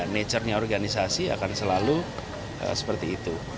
nature nya organisasi akan selalu seperti itu